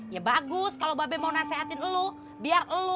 ya bagus kalau babe mau nasihatin elu biar elu